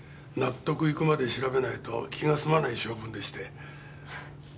納得いくまで調べないと気が済まない性分でして。